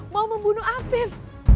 mau membunuh afif